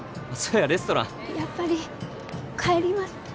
やっぱり帰ります。